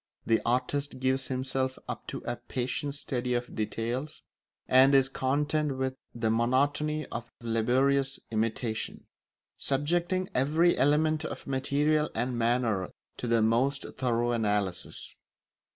The artist gives himself up to a patient study of details, and is content with the monotony of laborious imitation; subjecting every element of material and manner to the most thorough analysis.